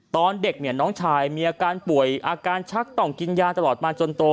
ตอนเด็กเนี่ยน้องชายมีอาการป่วยอาการชักต้องกินยาตลอดมาจนโต